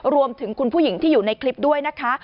รวมถึงคุณผู้หญิงที่อยู่ในคลิปด้วยนะคะ